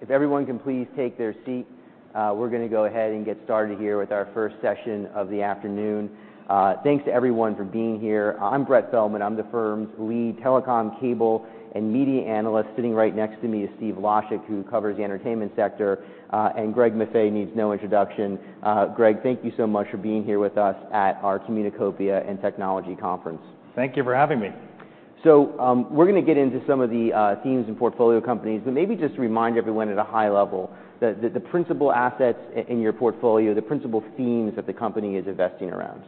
If everyone can please take their seat, we're gonna go ahead and get started here with our first session of the afternoon. Thanks to everyone for being here. I'm Brett Feldman. I'm the firm's lead telecom, cable, and media analyst. Sitting right next to me is Stephen Laszczyk, who covers the entertainment sector, and Greg Maffei needs no introduction. Greg, thank you so much for being here with us at our Communacopia and Technology conference. Thank you for having me. So, we're gonna get into some of the themes and portfolio companies, but maybe just to remind everyone at a high level the principal assets in your portfolio, the principal themes that the company is investing around.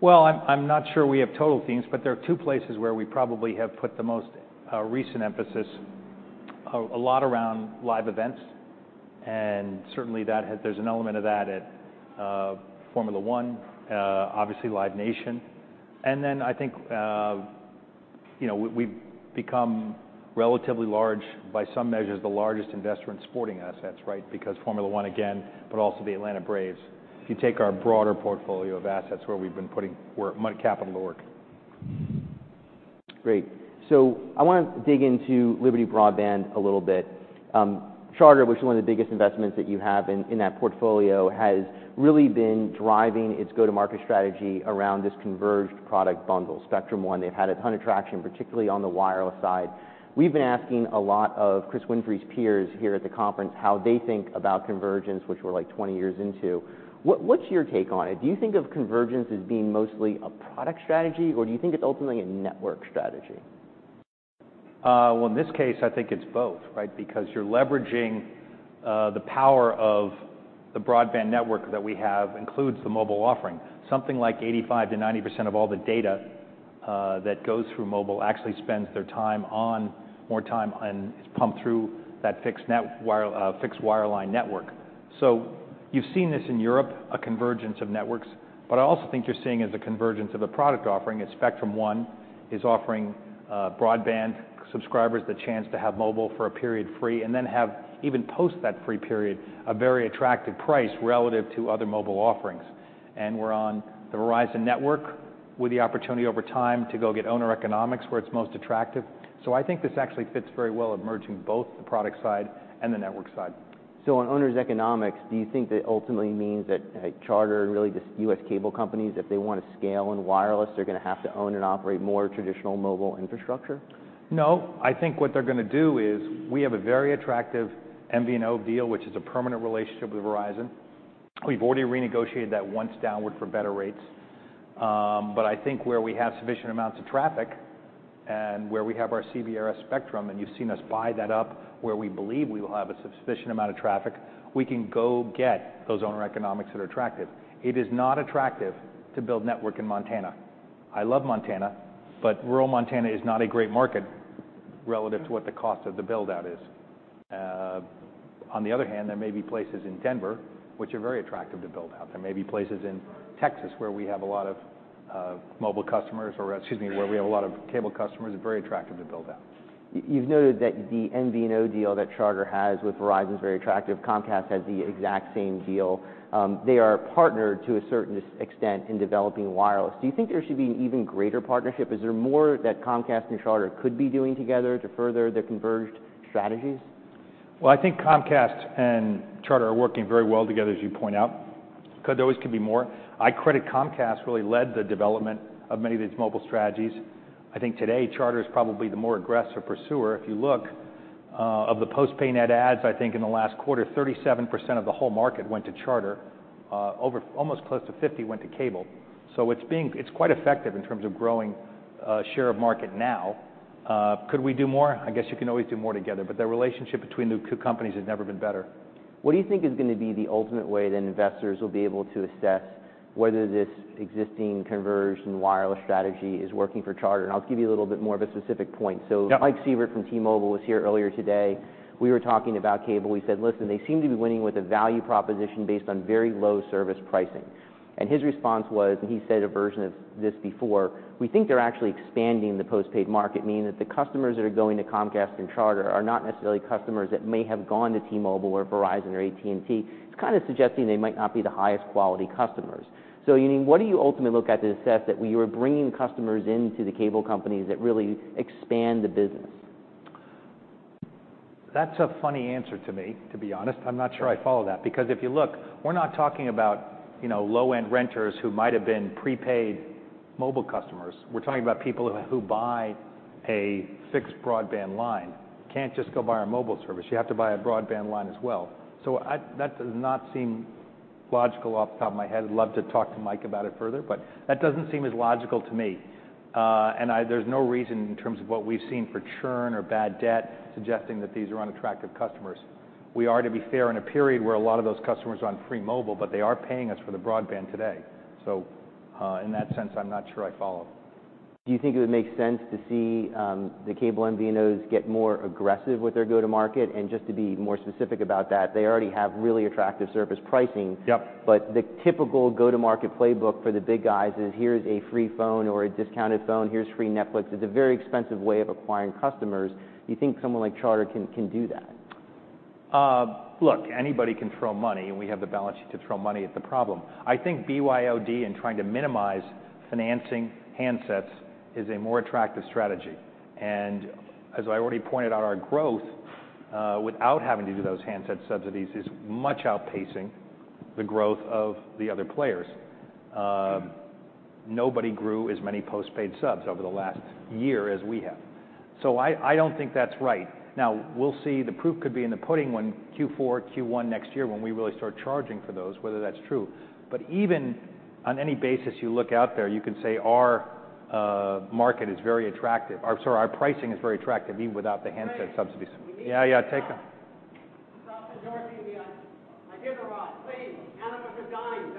Well, I'm not sure we have total themes, but there are two places where we probably have put the most recent emphasis. A lot around live events, and certainly that has—there's an element of that at Formula One, obviously Live Nation. And then I think, you know, we've become relatively large, by some measures, the largest investor in sporting assets, right? Because Formula One again, but also the Atlanta Braves, if you take our broader portfolio of assets where we've been putting my capital to work. Great. So I wanna dig into Liberty Broadband a little bit. Charter, which is one of the biggest investments that you have in, in that portfolio, has really been driving its go-to-market strategy around this converged product bundle, Spectrum One. They've had a ton of traction, particularly on the wireless side. We've been asking a lot of Chris Winfrey's peers here at the conference how they think about convergence, which we're, like, 20 years into. What, what's your take on it? Do you think of convergence as being mostly a product strategy, or do you think it's ultimately a network strategy? Well, in this case, I think it's both, right? Because you're leveraging the power of the broadband network that we have, includes the mobile offering. Something like 85%-90% of all the data that goes through mobile actually spends their time on—it's pumped through that fixed net wire, fixed wireline network. So you've seen this in Europe, a convergence of networks, but I also think you're seeing is a convergence of a product offering, as Spectrum One is offering, broadband subscribers the chance to have mobile for a period free, and then have, even post that free period, a very attractive price relative to other mobile offerings. And we're on the Verizon network with the opportunity over time to go get owner economics where it's most attractive. I think this actually fits very well at merging both the product side and the network side. So on owner's economics, do you think that ultimately means that, like, Charter and really just U.S. cable companies, if they wanna scale in wireless, they're gonna have to own and operate more traditional mobile infrastructure? No. I think what they're gonna do is, we have a very attractive MVNO deal, which is a permanent relationship with Verizon. We've already renegotiated that once downward for better rates. But I think where we have sufficient amounts of traffic and where we have our CBRS spectrum, and you've seen us buy that up, where we believe we will have a sufficient amount of traffic, we can go get those owner economics that are attractive. It is not attractive to build network in Montana. I love Montana, but rural Montana is not a great market relative to what the cost of the build-out is. On the other hand, there may be places in Denver which are very attractive to build out. There may be places in Texas where we have a lot of mobile customers, or excuse me, where we have a lot of cable customers, very attractive to build out. You've noted that the MVNO deal that Charter has with Verizon is very attractive. Comcast has the exact same deal. They are partnered to a certain extent in developing wireless. Do you think there should be an even greater partnership? Is there more that Comcast and Charter could be doing together to further their converged strategies? Well, I think Comcast and Charter are working very well together, as you point out. Could there always be more. I credit Comcast really led the development of many of these mobile strategies. I think today Charter is probably the more aggressive pursuer. If you look of the postpaid net adds, I think in the last quarter, 37% of the whole market went to Charter. Almost close to 50 went to cable. So it's being... It's quite effective in terms of growing a share of market now. Could we do more? I guess you can always do more together, but the relationship between the two companies has never been better. What do you think is gonna be the ultimate way that investors will be able to assess whether this existing converged and wireless strategy is working for Charter? And I'll give you a little bit more of a specific point so- Yep... Mike Sievert from T-Mobile was here earlier today. We were talking about cable. We said, "Listen, they seem to be winning with a value proposition based on very low service pricing." And his response was, and he said a version of this before: "We think they're actually expanding the post-paid market," meaning that the customers that are going to Comcast and Charter are not necessarily customers that may have gone to T-Mobile or Verizon or AT&T. It's kind of suggesting they might not be the highest quality customers. So, I mean, what do you ultimately look at to assess that we were bringing customers into the cable companies that really expand the business? That's a funny answer to me, to be honest. I'm not sure I follow that. Because if you look, we're not talking about, you know, low-end renters who might have been prepaid mobile customers. We're talking about people who buy a fixed broadband line. You can't just go buy our mobile service, you have to buy a broadband line as well. So that does not seem logical off the top of my head. I'd love to talk to Mike about it further, but that doesn't seem as logical to me. And there's no reason in terms of what we've seen for churn or bad debt, suggesting that these are unattractive customers. We are, to be fair, in a period where a lot of those customers are on free mobile, but they are paying us for the broadband today. In that sense, I'm not sure I follow. Do you think it would make sense to see the cable MVNOs get more aggressive with their go-to-market? And just to be more specific about that, they already have really attractive service pricing- Yep... but the typical go-to-market playbook for the big guys is, "Here's a free phone or a discounted phone. Here's free Netflix." It's a very expensive way of acquiring customers. Do you think someone like Charter can do that? ...look, anybody can throw money, and we have the balance sheet to throw money at the problem. I think BYOD and trying to minimize financing handsets is a more attractive strategy. And as I already pointed out, our growth, without having to do those handset subsidies is much outpacing the growth of the other players. Nobody grew as many postpaid subs over the last year as we have. So I, I don't think that's right. Now, we'll see, the proof could be in the pudding when Q4, Q1 next year, when we really start charging for those, whether that's true. But even on any basis you look out there, you can say our market is very attractive. Or sorry, our pricing is very attractive, even without the handset subsidies. Greg, we need to- Yeah, yeah, take them. Stop interrupting me. I did it right. Please, animals are dying.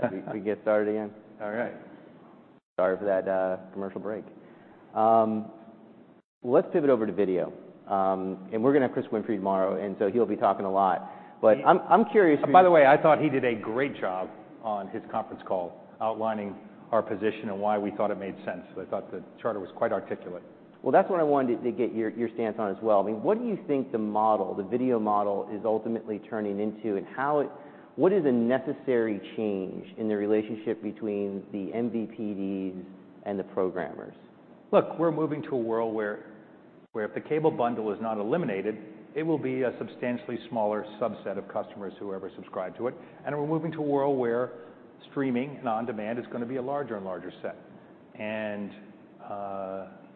Dogs are dying! We can get started again. All right. Sorry for that commercial break. Let's pivot over to video. We're gonna have Chris Winfrey tomorrow, and so he'll be talking a lot. He- But I'm curious- By the way, I thought he did a great job on his conference call, outlining our position and why we thought it made sense. So I thought that Charter was quite articulate. Well, that's what I wanted to get your stance on as well. I mean, what do you think the model, the video model, is ultimately turning into, and what is a necessary change in the relationship between the MVPDs and the programmers? Look, we're moving to a world where if the cable bundle is not eliminated, it will be a substantially smaller subset of customers who ever subscribe to it. And we're moving to a world where streaming and on-demand is gonna be a larger and larger set. And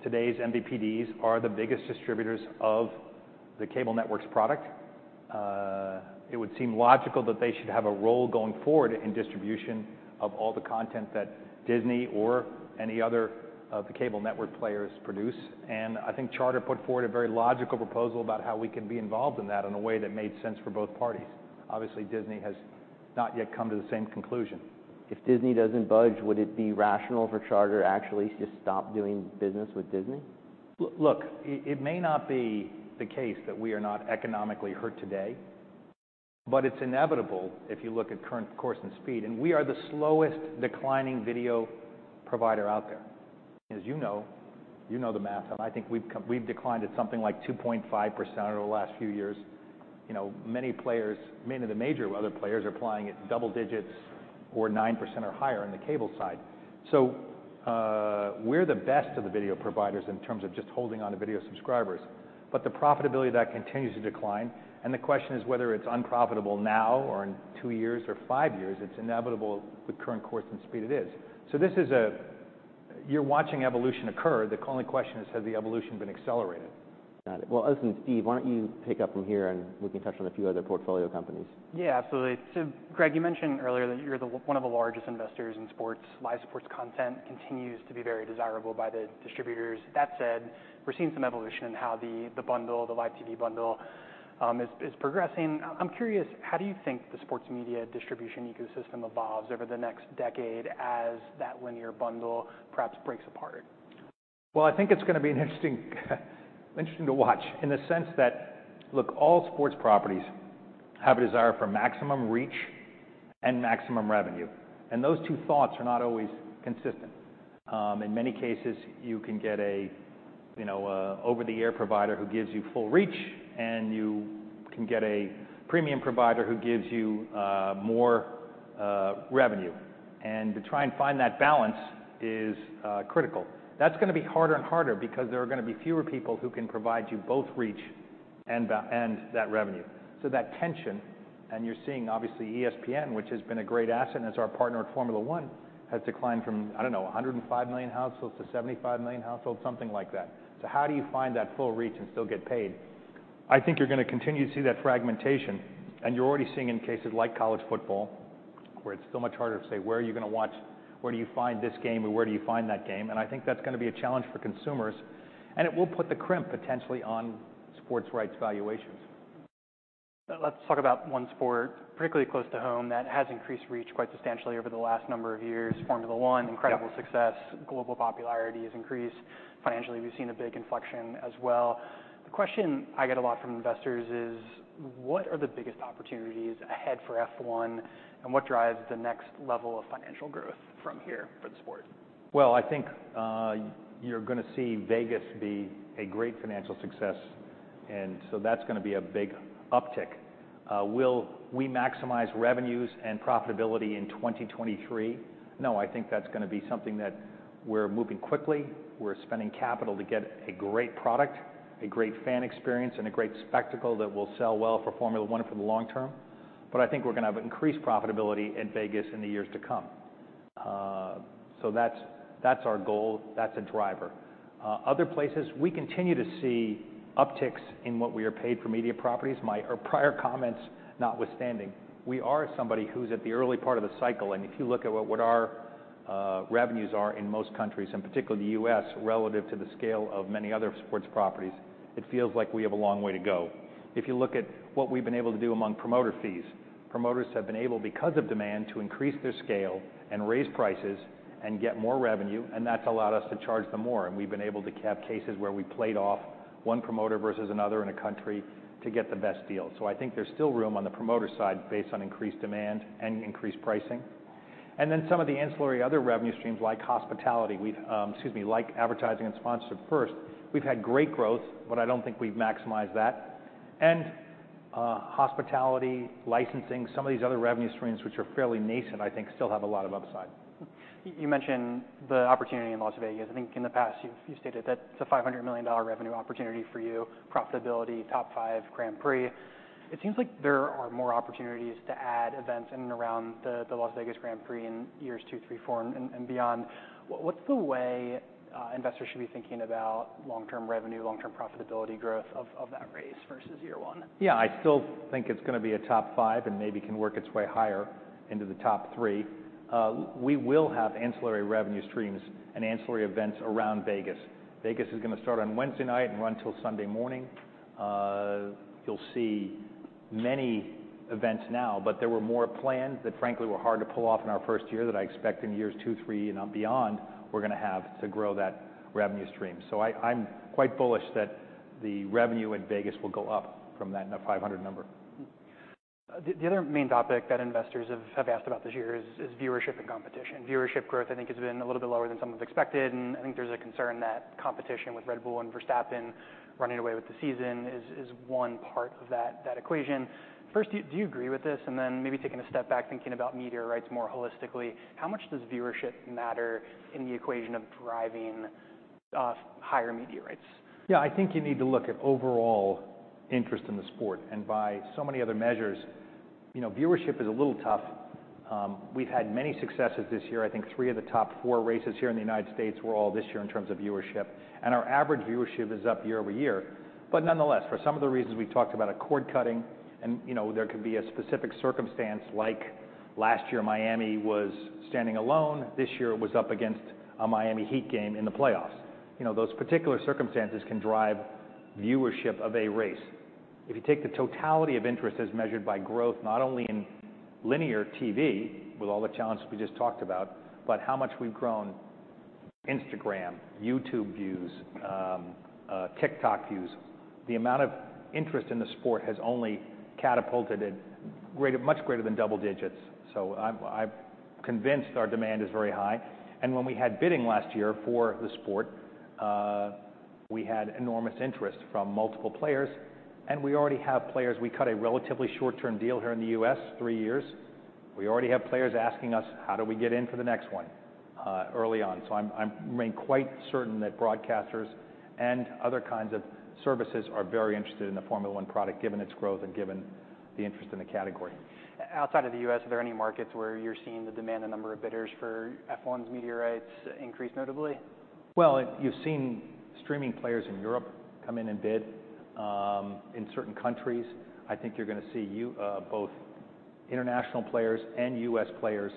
today's MVPDs are the biggest distributors of the cable network's product. It would seem logical that they should have a role going forward in distribution of all the content that Disney or any other of the cable network players produce. And I think Charter put forward a very logical proposal about how we can be involved in that in a way that made sense for both parties. Obviously, Disney has not yet come to the same conclusion. If Disney doesn't budge, would it be rational for Charter actually to just stop doing business with Disney? Look, it may not be the case that we are not economically hurt today, but it's inevitable if you look at current course and speed, and we are the slowest declining video provider out there. As you know, you know the math, I think we've declined at something like 2.5% over the last few years. You know, many players, many of the major other players, are applying at double digits or 9% or higher on the cable side. So, we're the best of the video providers in terms of just holding on to video subscribers, but the profitability of that continues to decline. And the question is whether it's unprofitable now or in two years or five years, it's inevitable with current course and speed, it is. So this is a... You're watching evolution occur. The only question is, has the evolution been accelerated? Got it. Well, listen, Steve, why don't you pick up from here, and we can touch on a few other portfolio companies? Yeah, absolutely. So Greg, you mentioned earlier that you're one of the largest investors in sports. Live sports content continues to be very desirable by the distributors. That said, we're seeing some evolution in how the bundle, the live TV bundle, is progressing. I'm curious, how do you think the sports media distribution ecosystem evolves over the next decade as that linear bundle perhaps breaks apart? Well, I think it's gonna be interesting, interesting to watch in the sense that, look, all sports properties have a desire for maximum reach and maximum revenue, and those two thoughts are not always consistent. In many cases, you can get a, you know, a over-the-air provider who gives you full reach, and you can get a premium provider who gives you more revenue. And to try and find that balance is critical. That's gonna be harder and harder because there are gonna be fewer people who can provide you both reach and that revenue. So that tension, and you're seeing obviously ESPN, which has been a great asset, and it's our partner at Formula One, has declined from, I don't know, 105 million households to 75 million households, something like that. So how do you find that full reach and still get paid? I think you're gonna continue to see that fragmentation, and you're already seeing in cases like college football, where it's so much harder to say, where are you gonna watch? Where do you find this game, or where do you find that game? And I think that's gonna be a challenge for consumers, and it will put the crimp, potentially, on sports rights valuations. Let's talk about one sport, particularly close to home, that has increased reach quite substantially over the last number of years: Formula One. Yeah. Incredible success. Global popularity has increased. Financially, we've seen a big inflection as well. The question I get a lot from investors is: What are the biggest opportunities ahead for F1, and what drives the next level of financial growth from here for the sport? Well, I think, you're gonna see Vegas be a great financial success, and so that's gonna be a big uptick. Will we maximize revenues and profitability in 2023? No, I think that's gonna be something that we're moving quickly. We're spending capital to get a great product, a great fan experience, and a great spectacle that will sell well for Formula One for the long term. But I think we're gonna have increased profitability in Vegas in the years to come. So that's, that's our goal, that's a driver. Other places, we continue to see upticks in what we are paid for media properties. Our prior comments notwithstanding, we are somebody who's at the early part of the cycle, and if you look at what our revenues are in most countries, and particularly the U.S., relative to the scale of many other sports properties, it feels like we have a long way to go. If you look at what we've been able to do among promoter fees, promoters have been able, because of demand, to increase their scale and raise prices and get more revenue, and that's allowed us to charge them more. And we've been able to have cases where we played off one promoter versus another in a country to get the best deal. So I think there's still room on the promoter side based on increased demand and increased pricing. And then some of the ancillary other revenue streams like hospitality, we've... Excuse me, like advertising and sponsored first, we've had great growth, but I don't think we've maximized that. And, hospitality, licensing, some of these other revenue streams, which are fairly nascent, I think, still have a lot of upside. You mentioned the opportunity in Las Vegas. I think in the past, you've stated that it's a $500 million revenue opportunity for you. Profitability, top five Grand Prix. It seems like there are more opportunities to add events in and around the Las Vegas Grand Prix in years two, three, four, and beyond. What's the way investors should be thinking about long-term revenue, long-term profitability growth of that race versus year one? Yeah, I still think it's gonna be a top five and maybe can work its way higher into the top three. We will have ancillary revenue streams and ancillary events around Vegas. Vegas is gonna start on Wednesday night and run till Sunday morning. You'll see many events now, but there were more planned that frankly were hard to pull off in our first year than I expect in years two, three, and beyond. We're gonna have to grow that revenue stream. So, I'm quite bullish that the revenue in Vegas will go up from that $500 number. The other main topic that investors have asked about this year is viewership and competition. Viewership growth, I think, has been a little bit lower than some have expected, and I think there's a concern that competition with Red Bull and Verstappen running away with the season is one part of that equation. First, do you agree with this? And then maybe taking a step back, thinking about media rights more holistically, how much does viewership matter in the equation of driving higher media rights? Yeah, I think you need to look at overall interest in the sport, and by so many other measures. You know, viewership is a little tough. We've had many successes this year. I think three of the top four races here in the United States were all this year in terms of viewership, and our average viewership is up year-over-year. But nonetheless, for some of the reasons we talked about, a cord-cutting, and, you know, there could be a specific circumstance, like last year, Miami was standing alone. This year it was up against a Miami Heat game in the playoffs. You know, those particular circumstances can drive viewership of a race. If you take the totality of interest as measured by growth, not only in linear TV, with all the challenges we just talked about, but how much we've grown Instagram, YouTube views, TikTok views, the amount of interest in the sport has only catapulted it greater... Much greater than double digits. So I'm convinced our demand is very high. And when we had bidding last year for the sport, we had enormous interest from multiple players, and we already have players. We cut a relatively short-term deal here in the U.S., three years. We already have players asking us, "How do we get in for the next one?" early on. So I'm quite certain that broadcasters and other kinds of services are very interested in the Formula One product, given its growth and given the interest in the category. Outside of the U.S., are there any markets where you're seeing the demand, the number of bidders for F1's media rights increase notably? Well, you've seen streaming players in Europe come in and bid in certain countries. I think you're gonna see both international players and U.S. players,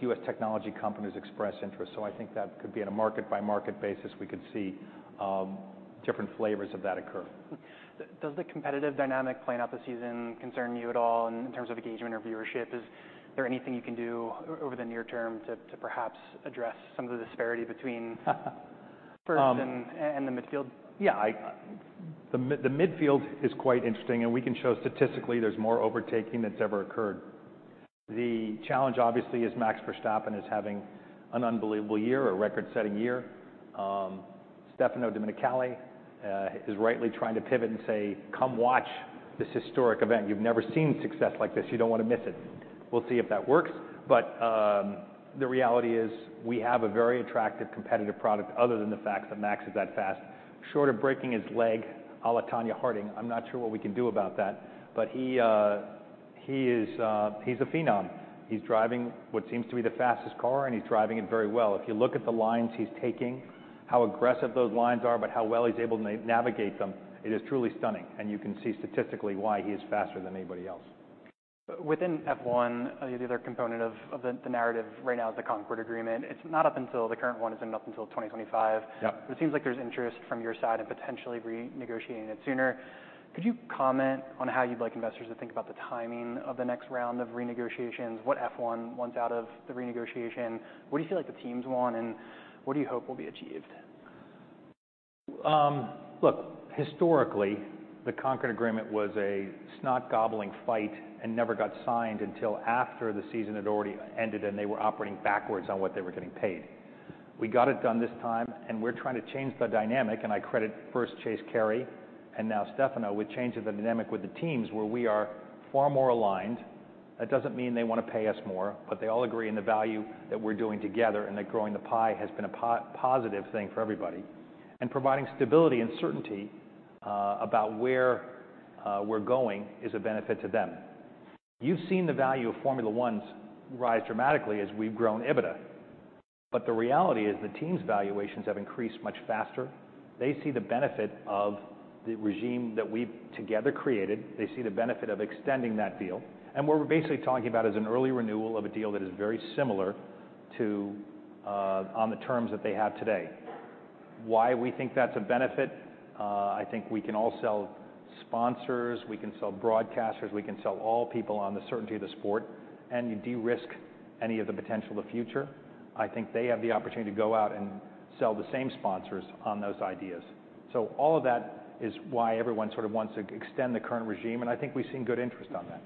U.S. technology companies express interest. So I think that could be on a market-by-market basis, we could see different flavors of that occur. Does the competitive dynamic playing out this season concern you at all in terms of engagement or viewership? Is there anything you can do over the near term to perhaps address some of the disparity between Verstappen and the midfield? Yeah, the midfield is quite interesting, and we can show statistically there's more overtaking that's ever occurred. The challenge, obviously, is Max Verstappen is having an unbelievable year, a record-setting year. Stefano Domenicali is rightly trying to pivot and say, "Come watch this historic event. You've never seen success like this. You don't want to miss it." We'll see if that works, but the reality is, we have a very attractive competitive product other than the fact that Max is that fast. Short of breaking his leg, à la Tonya Harding, I'm not sure what we can do about that. But he is a phenom. He's driving what seems to be the fastest car, and he's driving it very well. If you look at the lines he's taking, how aggressive those lines are, but how well he's able to navigate them, it is truly stunning, and you can see statistically why he is faster than anybody else. Within F1, the other component of the narrative right now is the Concorde Agreement. It's not up until... The current one isn't up until 2025. Yeah. It seems like there's interest from your side in potentially renegotiating it sooner. Could you comment on how you'd like investors to think about the timing of the next round of renegotiations? What F1 wants out of the renegotiation? What do you feel like the teams want, and what do you hope will be achieved? Look, historically, the Concorde Agreement was a snot-gobbling fight and never got signed until after the season had already ended, and they were operating backwards on what they were getting paid. We got it done this time, and we're trying to change the dynamic, and I credit first Chase Carey, and now Stefano, with changing the dynamic with the teams where we are far more aligned. That doesn't mean they want to pay us more, but they all agree in the value that we're doing together, and that growing the pie has been a positive thing for everybody. And providing stability and certainty about where we're going is a benefit to them.... You've seen the value of Formula One rise dramatically as we've grown EBITDA, but the reality is the team's valuations have increased much faster. They see the benefit of the regime that we've together created. They see the benefit of extending that deal, and what we're basically talking about is an early renewal of a deal that is very similar to, on the terms that they have today. Why we think that's a benefit? I think we can all sell sponsors, we can sell broadcasters, we can sell all people on the certainty of the sport and you de-risk any of the potential of the future. I think they have the opportunity to go out and sell the same sponsors on those ideas. So all of that is why everyone sort of wants to extend the current regime, and I think we've seen good interest on that.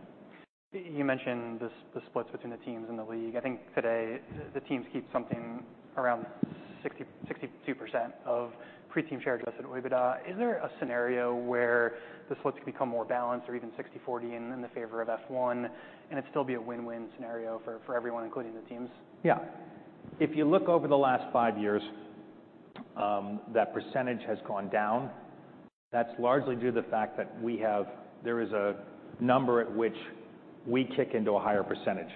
You mentioned the splits between the teams and the league. I think today the teams keep something around 60%-62% of pre-team share Adjusted EBITDA. Is there a scenario where the splits could become more balanced or even 60/40 and in the favor of F1, and it'd still be a win-win scenario for everyone, including the teams? Yeah. If you look over the last five years, that percentage has gone down. That's largely due to the fact that there is a number at which we kick into a higher percentage.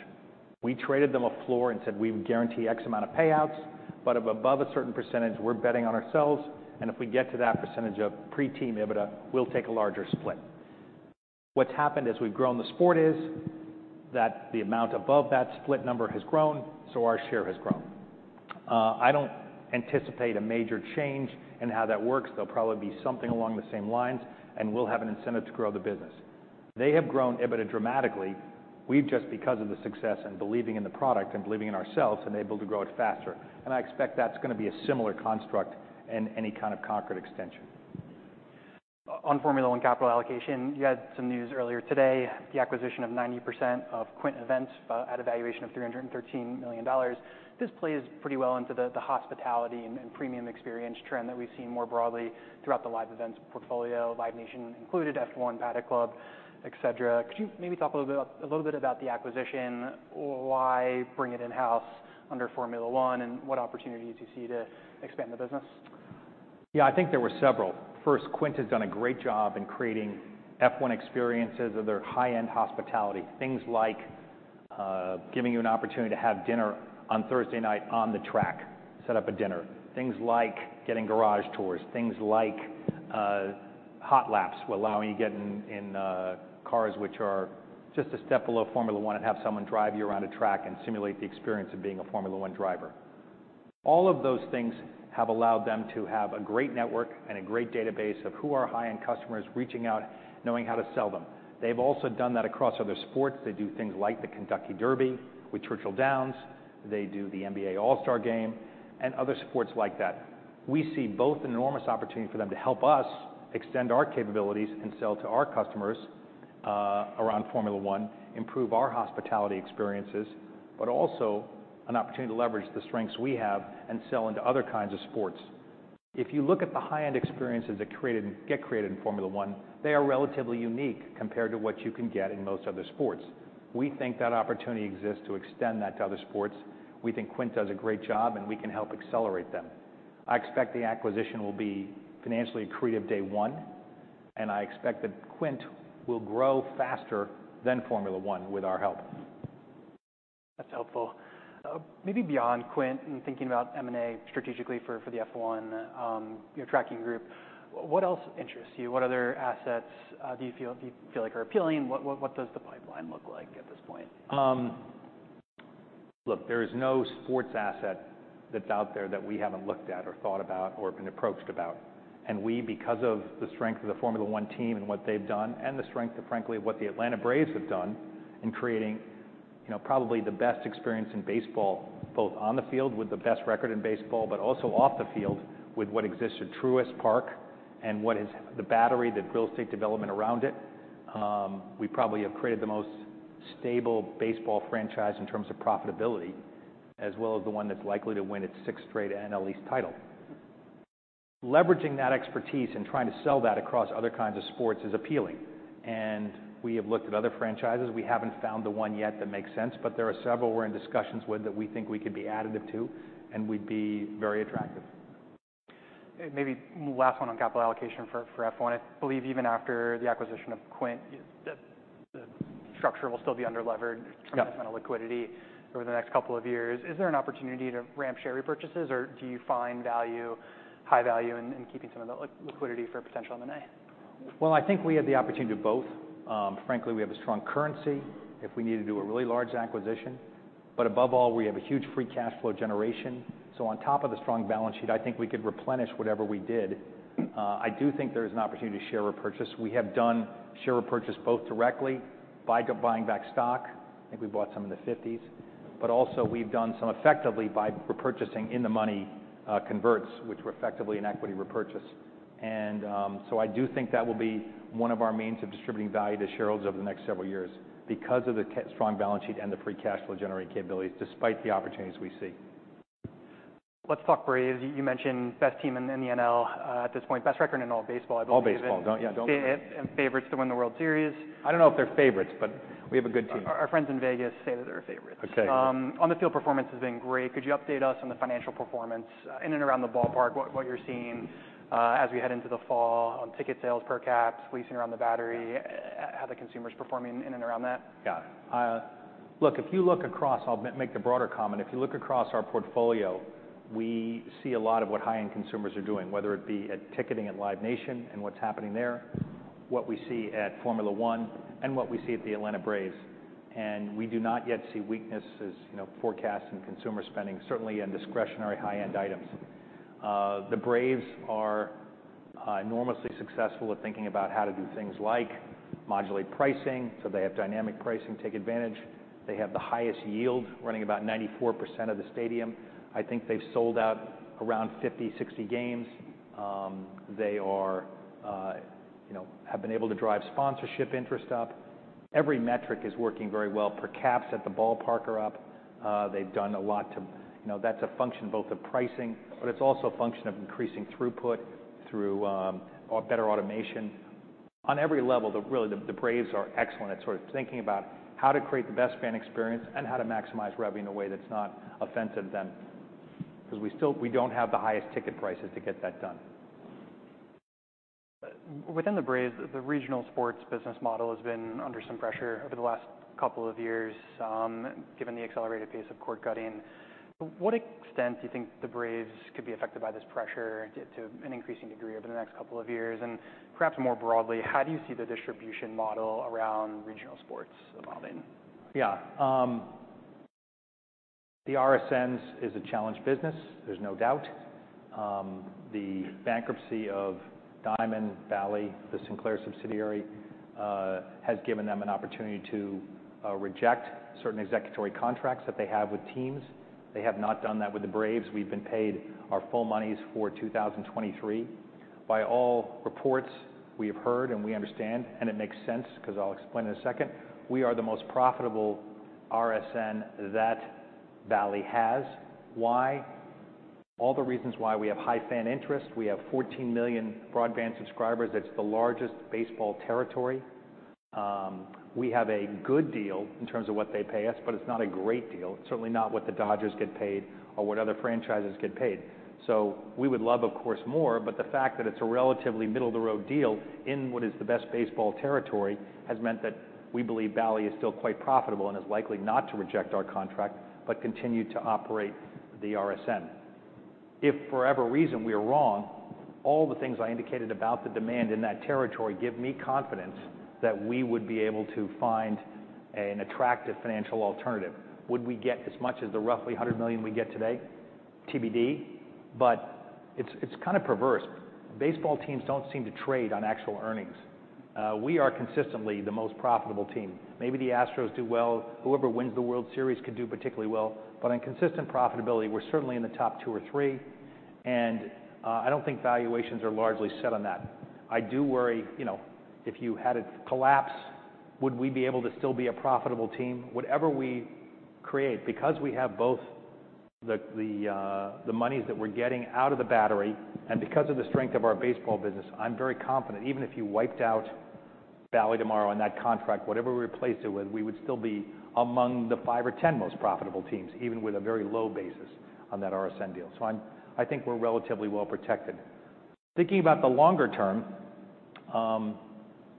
We traded them a floor and said, "We would guarantee X amount of payouts, but above a certain percentage, we're betting on ourselves, and if we get to that percentage of pre-team EBITDA, we'll take a larger split." What's happened as we've grown the sport is, that the amount above that split number has grown, so our share has grown. I don't anticipate a major change in how that works. They'll probably be something along the same lines, and we'll have an incentive to grow the business. They have grown EBITDA dramatically. We've just, because of the success and believing in the product and believing in ourselves, enabled to grow it faster, and I expect that's gonna be a similar construct in any kind of concrete extension. On Formula One capital allocation, you had some news earlier today, the acquisition of 90% of QuintEvents at a valuation of $313 million. This plays pretty well into the hospitality and premium experience trend that we've seen more broadly throughout the live events portfolio, Live Nation included, F1 Paddock Club, et cetera. Could you maybe talk a little bit about the acquisition? Why bring it in-house under Formula One, and what opportunities you see to expand the business? Yeah, I think there were several. First, Quint has done a great job in creating F1 experiences of their high-end hospitality. Things like giving you an opportunity to have dinner on Thursday night on the track, set up a dinner. Things like getting garage tours, things like hot laps, allowing you to get in cars which are just a step below Formula One and have someone drive you around a track and simulate the experience of being a Formula One driver. All of those things have allowed them to have a great network and a great database of who are high-end customers, reaching out, knowing how to sell them. They've also done that across other sports. They do things like the Kentucky Derby with Churchill Downs. They do the NBA All-Star game and other sports like that. We see both enormous opportunity for them to help us extend our capabilities and sell to our customers, around Formula One, improve our hospitality experiences, but also an opportunity to leverage the strengths we have and sell into other kinds of sports. If you look at the high-end experiences that created, get created in Formula One, they are relatively unique compared to what you can get in most other sports. We think that opportunity exists to extend that to other sports. We think Quint does a great job, and we can help accelerate them. I expect the acquisition will be financially accretive day one, and I expect that Quint will grow faster than Formula One with our help. That's helpful. Maybe beyond Quint and thinking about M&A strategically for the F1, your tracking group, what else interests you? What other assets do you feel like are appealing? What does the pipeline look like at this point? Look, there is no sports asset that's out there that we haven't looked at, or thought about, or been approached about. We, because of the strength of the Formula One team and what they've done, and the strength of, frankly, what the Atlanta Braves have done in creating, you know, probably the best experience in baseball, both on the field with the best record in baseball, but also off the field with what exists at Truist Park and what is the Battery Atlanta, the real estate development around it. We probably have created the most stable baseball franchise in terms of profitability, as well as the one that's likely to win its sixth straight NL East title. Leveraging that expertise and trying to sell that across other kinds of sports is appealing, and we have looked at other franchises. We haven't found the one yet that makes sense, but there are several we're in discussions with that we think we could be additive to, and we'd be very attractive. Maybe last one on capital allocation for, for F1. I believe even after the acquisition of Quint, the, the structure will still be underlevered- Yes. Some kind of liquidity over the next couple of years. Is there an opportunity to ramp share repurchases, or do you find value, high value in, in keeping some of the liquidity for potential M&A? Well, I think we have the opportunity to both. Frankly, we have a strong currency if we need to do a really large acquisition. But above all, we have a huge free cash flow generation, so on top of the strong balance sheet, I think we could replenish whatever we did. I do think there is an opportunity to share repurchase. We have done share repurchases both directly by buying back stock, I think we bought some in the fifties, but also we've done some effectively by repurchasing in-the-money converts, which were effectively an equity repurchase. And so I do think that will be one of our means of distributing value to shareholders over the next several years because of the strong balance sheet and the free cash flow generating capabilities, despite the opportunities we see. Let's talk Braves. You mentioned best team in the NL at this point, best record in all baseball. All baseball, don't... Yeah, don't- Favorites to win the World Series. I don't know if they're favorites, but we have a good team. Our friends in Vegas say that they're favorites. Okay. On the field, performance has been great. Could you update us on the financial performance in and around the ballpark? What you're seeing as we head into the fall on ticket sales, per caps, leasing around the Battery, how the consumer is performing in and around that? Yeah. Look, if you look across, I'll make the broader comment. If you look across our portfolio, we see a lot of what high-end consumers are doing, whether it be at ticketing at Live Nation and what's happening there, what we see at Formula One, and what we see at the Atlanta Braves. And we do not yet see weaknesses, you know, forecast in consumer spending, certainly in discretionary high-end items. The Braves are enormously successful at thinking about how to do things like modulate pricing, so they have dynamic pricing take advantage. They have the highest yield, running about 94% of the stadium. I think they've sold out around 50-60 games. They are, you know, have been able to drive sponsorship interest up. Every metric is working very well. Per caps at the ballpark are up. They've done a lot to... You know, that's a function both of pricing, but it's also a function of increasing throughput through better automation. On every level, the Braves are excellent at sort of thinking about how to create the best fan experience and how to maximize revenue in a way that's not offensive to them, 'cause we still - we don't have the highest ticket prices to get that done. Within the Braves, the regional sports business model has been under some pressure over the last couple of years, given the accelerated pace of cord cutting. To what extent do you think the Braves could be affected by this pressure to an increasing degree over the next couple of years? And perhaps more broadly, how do you see the distribution model around regional sports evolving? Yeah. The RSNs is a challenged business, there's no doubt. The bankruptcy of Diamond Valley, the Sinclair subsidiary, has given them an opportunity to reject certain executory contracts that they have with teams. They have not done that with the Braves. We've been paid our full monies for 2023. By all reports we have heard and we understand, and it makes sense, 'cause I'll explain in a second, we are the most profitable RSN that Diamond Valley has. Why? All the reasons why we have high fan interest. We have 14 million broadband subscribers. It's the largest baseball territory. We have a good deal in terms of what they pay us, but it's not a great deal. Certainly not what the Dodgers get paid or what other franchises get paid. So we would love, of course, more, but the fact that it's a relatively middle-of-the-road deal in what is the best baseball territory, has meant that we believe Bally Sports is still quite profitable and is likely not to reject our contract, but continue to operate the RSN. If for whatever reason we are wrong, all the things I indicated about the demand in that territory give me confidence that we would be able to find an attractive financial alternative. Would we get as much as the roughly $100 million we get today? TBD, but it's, it's kind of perverse. Baseball teams don't seem to trade on actual earnings. We are consistently the most profitable team. Maybe the Astros do well. Whoever wins the World Series could do particularly well, but in consistent profitability, we're certainly in the top two or three, and I don't think valuations are largely set on that. I do worry, you know, if you had a collapse, would we be able to still be a profitable team? Whatever we create, because we have both the monies that we're getting out of the battery and because of the strength of our baseball business, I'm very confident, even if you wiped out Bally tomorrow and that contract, whatever we replace it with, we would still be among the five or 10 most profitable teams, even with a very low basis on that RSN deal. So I'm. I think we're relatively well protected. Thinking about the longer term,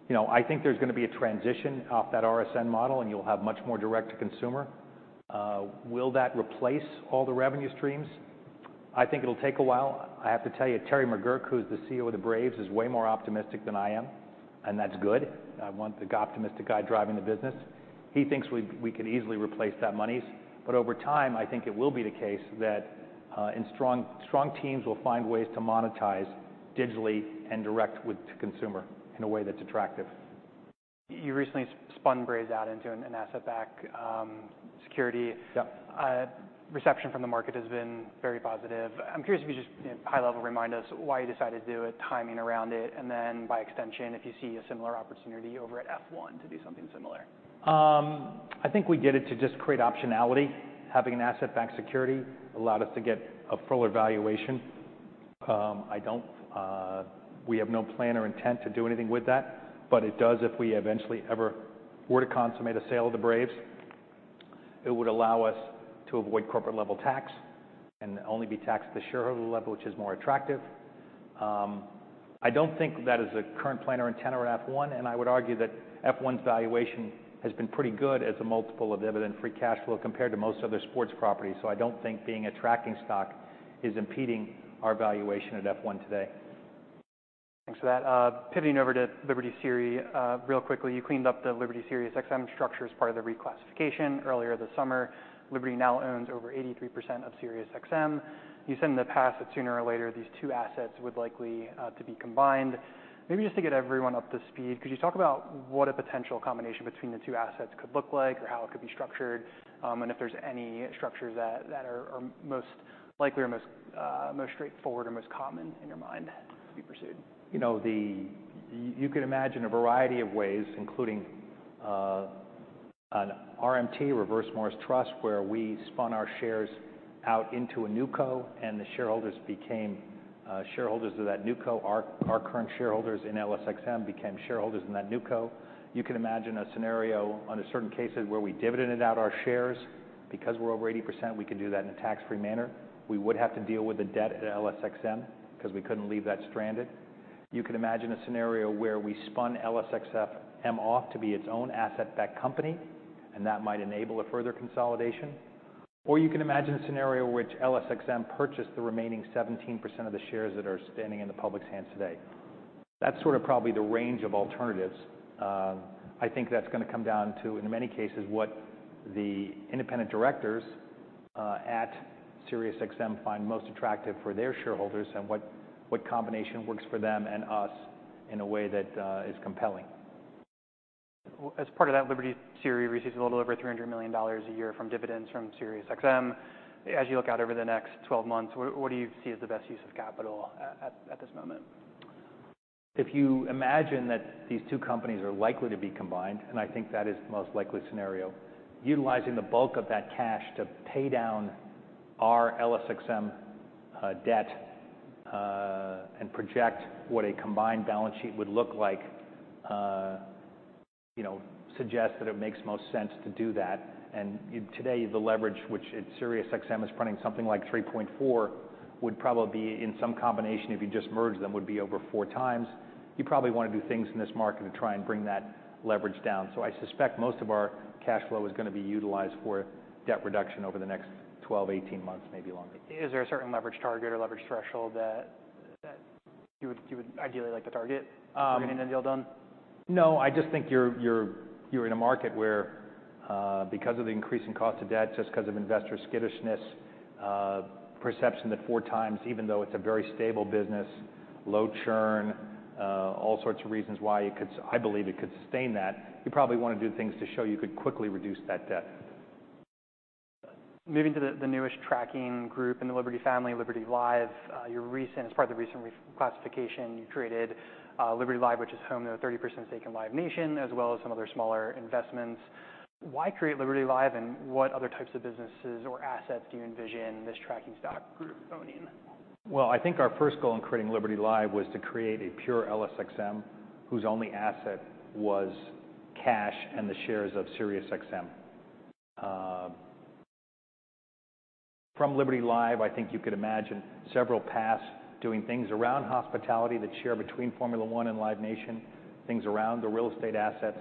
you know, I think there's gonna be a transition off that RSN model, and you'll have much more direct to consumer. Will that replace all the revenue streams? I think it'll take a while. I have to tell you, Terry McGuirk, who's the CEO of the Braves, is way more optimistic than I am, and that's good. I want the optimistic guy driving the business. He thinks we, we could easily replace that money. But over time, I think it will be the case that, and strong, strong teams will find ways to monetize digitally and direct with the consumer in a way that's attractive. You recently spun Braves out into an asset-backed security. Yep. Reception from the market has been very positive. I'm curious if you just, high level, remind us why you decided to do it, timing around it, and then by extension, if you see a similar opportunity over at F1 to do something similar. I think we did it to just create optionality. Having an asset-backed security allowed us to get a fuller valuation. I don't, we have no plan or intent to do anything with that, but it does, if we eventually ever were to consummate a sale of the Braves, it would allow us to avoid corporate-level tax and only be taxed at the shareholder level, which is more attractive. I don't think that is a current plan or intent around F1, and I would argue that F1's valuation has been pretty good as a multiple of the dividend-free cash flow compared to most other sports properties. So I don't think being a tracking stock is impeding our valuation at F1 today. Thanks for that. Pivoting over to Liberty SiriusXM real quickly, you cleaned up the Liberty SiriusXM structure as part of the reclassification earlier this summer. Liberty now owns over 83% of SiriusXM. You said in the past that sooner or later, these two assets would likely to be combined. Maybe just to get everyone up to speed, could you talk about what a potential combination between the two assets could look like or how it could be structured, and if there's any structures that are most likely or most straightforward or most common in your mind to be pursued? You know, you could imagine a variety of ways, including an RMT, Reverse Morris Trust, where we spun our shares out into a Newco and the shareholders became shareholders of that newco. Our current shareholders in LSXM became shareholders in that Newco. You can imagine a scenario under certain cases where we dividended out our shares. Because we're over 80%, we could do that in a tax-free manner. We would have to deal with the debt at LSXM, 'cause we couldn't leave that stranded. You can imagine a scenario where we spun LSXM off to be its own asset-backed company, and that might enable a further consolidation. Or you can imagine a scenario which LSXM purchased the remaining 17% of the shares that are standing in the public's hands today. That's sort of probably the range of alternatives. I think that's gonna come down to, in many cases, what the independent directors at SiriusXM find most attractive for their shareholders, and what combination works for them and us in a way that is compelling. Well, as part of that, Liberty SiriusXM receives a little over $300 million a year from dividends from SiriusXM. As you look out over the next 12 months, what do you see as the best use of capital at this moment? If you imagine that these two companies are likely to be combined, and I think that is the most likely scenario, utilizing the bulk of that cash to pay down our LSXM debt, and project what a combined balance sheet would look like, you know, suggests that it makes most sense to do that. Today, the leverage, which at SiriusXM is printing something like 3.4x, would probably be in some combination, if you just merged them, would be over 4x. You probably want to do things in this market to try and bring that leverage down. So I suspect most of our cash flow is gonna be utilized for debt reduction over the next 12, 18 months, maybe longer. Is there a certain leverage target or leverage threshold that you would ideally like to target? Um- getting the deal done? No, I just think you're in a market where, because of the increasing cost of debt, just 'cause of investor skittishness, perception that four times, even though it's a very stable business, low churn, all sorts of reasons why it could—I believe it could sustain that, you probably want to do things to show you could quickly reduce that debt. Moving to the newest tracking group in the Liberty family, Liberty Live. As part of the recent reclassification, you created Liberty Live, which is home to a 30% stake in Live Nation, as well as some other smaller investments. Why create Liberty Live, and what other types of businesses or assets do you envision this tracking stock group owning? Well, I think our first goal in creating Liberty Live was to create a pure LSXM, whose only asset was cash and the shares of SiriusXM. From Liberty Live, I think you could imagine several paths, doing things around hospitality that share between Formula One and Live Nation, things around the real estate assets,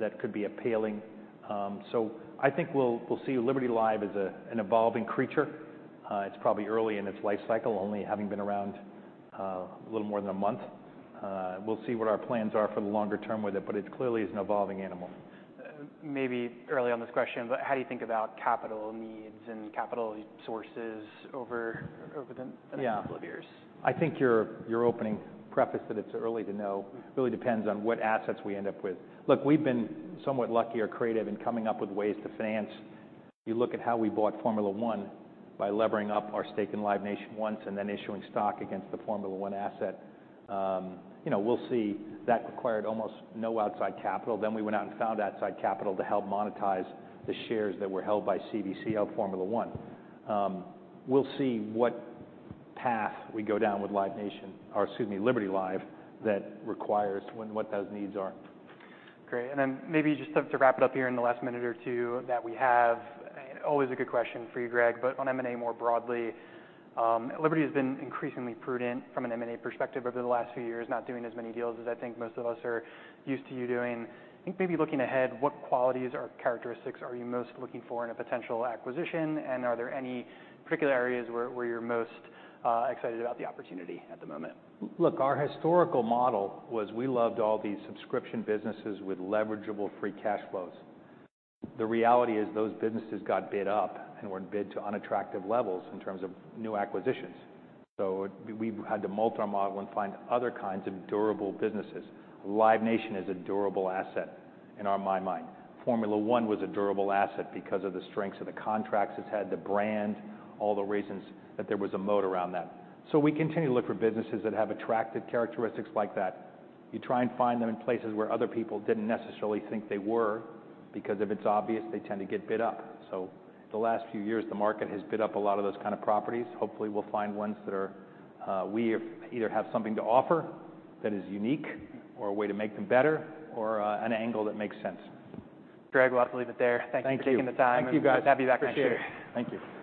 that could be appealing. So I think we'll, we'll see Liberty Live as a, an evolving creature. It's probably early in its life cycle, only having been around, a little more than a month. We'll see what our plans are for the longer term with it, but it clearly is an evolving animal. Maybe early on this question, but how do you think about capital needs and capital resources over the- Yeah next couple of years? I think your, your opening preface that it's early to know, really depends on what assets we end up with. Look, we've been somewhat lucky or creative in coming up with ways to finance. You look at how we bought Formula One, by levering up our stake in Live Nation once, and then issuing stock against the Formula One asset. You know, we'll see. That required almost no outside capital. Then we went out and found outside capital to help monetize the shares that were held by CVC of Formula One. We'll see what path we go down with Live Nation or, excuse me, Liberty Live, that requires when, what those needs are. Great. And then maybe just to wrap it up here in the last minute or two that we have, always a good question for you, Greg, but on M&A more broadly. Liberty has been increasingly prudent from an M&A perspective over the last few years, not doing as many deals as I think most of us are used to you doing. I think maybe looking ahead, what qualities or characteristics are you most looking for in a potential acquisition? And are there any particular areas where you're most excited about the opportunity at the moment? Look, our historical model was we loved all these subscription businesses with leverageable free cash flows. The reality is those businesses got bid up and were bid to unattractive levels in terms of new acquisitions. So we've had to mold our model and find other kinds of durable businesses. Live Nation is a durable asset in my mind. Formula One was a durable asset because of the strengths of the contracts it's had, the brand, all the reasons that there was a moat around that. So we continue to look for businesses that have attractive characteristics like that. You try and find them in places where other people didn't necessarily think they were, because if it's obvious, they tend to get bid up. So the last few years, the market has bid up a lot of those kind of properties. Hopefully, we'll find ones that are... We either have something to offer that is unique, or a way to make them better, or an angle that makes sense. Greg, we'll have to leave it there. Thank you. Thank you for taking the time. Thank you, guys. We'd be happy to have you back next year. Appreciate it. Thank you.